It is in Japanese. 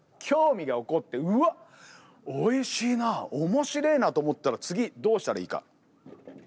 興味が起こってうわっおいしいなあおもしれえなと思ったら次どうしたらいいか。